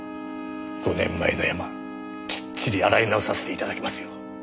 ５年前のヤマきっちり洗い直させて頂きますよ。